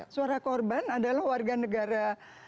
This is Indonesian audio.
suara korban adalah warga negara